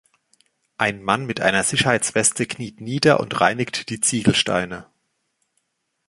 Ein Mann mit einer Sicherheitsweste kniet nieder und reinigt die Ziegelsteine.